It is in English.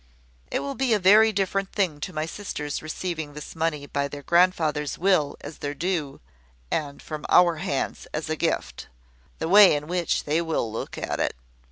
It will be a very different thing to my sisters receiving this money by their grandfather's will as their due, and from our hands as a gift (the way in which they will look at it).